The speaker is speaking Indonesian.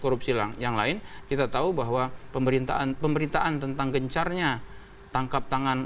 korupsi lang yang lain kita tahu bahwa pemerintahan pemerintahan tentang gencarnya tangkap tangan